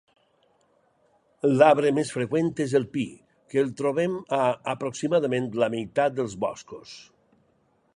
L'arbre més freqüent és el pi, que el trobem a aproximadament la meitat dels boscos.